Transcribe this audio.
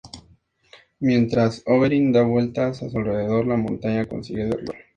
Mientras Oberyn da vueltas a su alrededor, La Montaña consigue derribarlo.